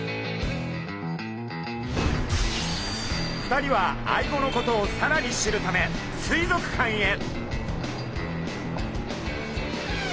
２人はアイゴのことをさらに知るため水族館へ。